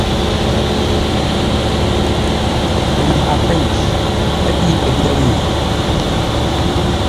Pə nŋwaʼa pei peʼé pətə́ ŋʉʉ.